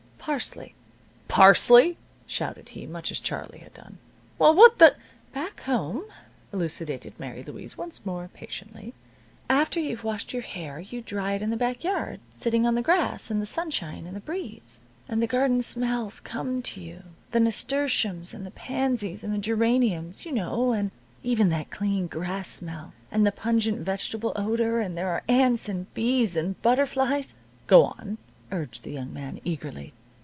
"Parsley." "Parsley!" shouted he, much as Charlie had done. "Well, what the " "Back home," elucidated Mary Louise once more, patiently, "after you've washed your hair you dry it in the back yard, sitting on the grass, in the sunshine and the breeze. And the garden smells come to you the nasturtiums, and the pansies, and the geraniums, you know, and even that clean grass smell, and the pungent vegetable odor, and there are ants, and bees, and butterflies " "Go on," urged the young man, eagerly.